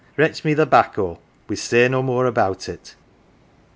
Retch me the 'baeco we'st say no more about it."